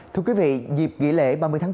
thưa quý vị dịp nghỉ lễ ba mươi tháng bốn